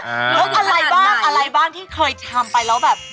แล้วอะไรบ้างอะไรบ้างที่เคยทำไปแล้วแบบ